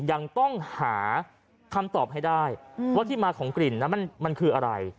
ยังต้องหาคำตอบให้ได้ว่าที่มาของกลิ่นนั้นมันคืออะไร